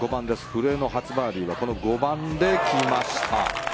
古江の初バーディーはこの５番で来ました。